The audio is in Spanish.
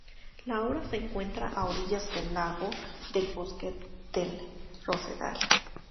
La obra se encuentra a orillas del lago del "Bosque del Rosedal".